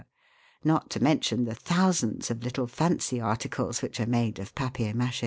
not to mention the thousands of little fancy articles which are made of papier mdc/ie.